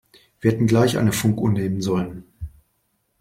Wir hätten gleich eine Funkuhr nehmen sollen.